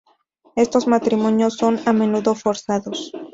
Estos matrimonios son a menudo forzados.